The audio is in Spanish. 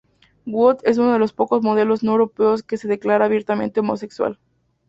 Woods es uno de los pocos modelos no europeos que se declara abiertamente homosexual.